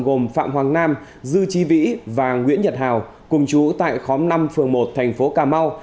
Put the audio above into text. gồm phạm hoàng nam dư trí vĩ và nguyễn nhật hào cùng chú tại khóm năm phường một thành phố cà mau